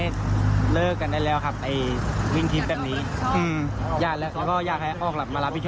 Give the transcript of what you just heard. ชุดขึ้นไปแล้วก็ขับไปแล้ว